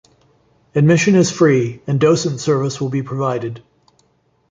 Admission is free and docent service will be provided.